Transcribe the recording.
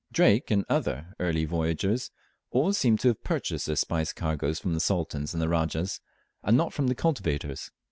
Drake and other early voyagers always seem to have purchased their spice cargoes from the Sultans and Rajahs, and not from the cultivators.